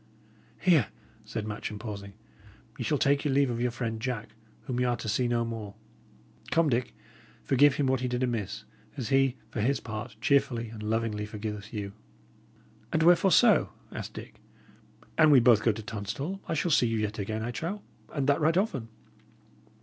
"Here," said Matcham, pausing, "ye shall take your leave of your friend Jack, whom y' are to see no more. Come, Dick, forgive him what he did amiss, as he, for his part, cheerfully and lovingly forgiveth you." "And wherefore so?" asked Dick. "An we both go to Tunstall, I shall see you yet again, I trow, and that right often."